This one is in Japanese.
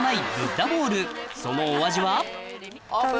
そのお味は？